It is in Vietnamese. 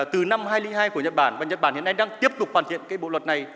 từ năm hai nghìn hai của nhật bản và nhật bản hiện nay đang tiếp tục hoàn thiện bộ luật này